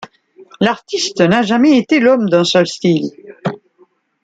L'artiste n'a jamais été l'homme d'un seul style.